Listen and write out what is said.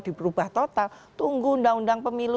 diberubah total tunggu undang undang pemilu